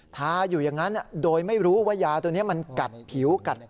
ทาอยู่อย่างนั้นโดยไม่รู้ว่ายาตัวนี้มันกัดผิวกัด